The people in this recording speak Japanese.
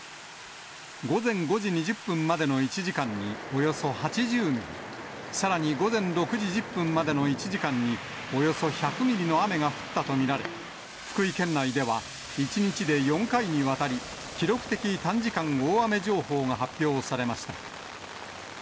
午前５時２０分までの１時間におよそ８０ミリ、さらに午前６時１０分までの１時間におよそ１００ミリの雨が降ったと見られ、福井県内では１日で４回にわたり、記録的短時間大雨情報が発表されました。